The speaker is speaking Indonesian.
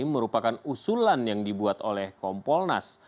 merupakan usulan yang dibuat oleh kompolnas